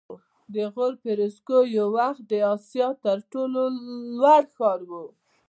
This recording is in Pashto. د غور فیروزکوه یو وخت د اسیا تر ټولو لوړ ښار و